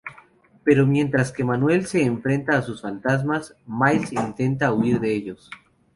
Pero mientras que Manuel se enfrenta a sus fantasmas, Miles intenta huir de ellos.